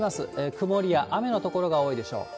曇りや雨の所が多いでしょう。